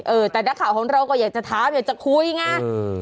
เออแต่นักข่าวของเราก็อยากจะถามอยากจะคุยไง